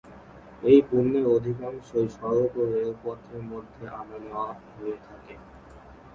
এই পণ্যের অধিকাংশই সড়ক ও রেল পথের মধ্যে আনা নেয়া হয়ে থাকে।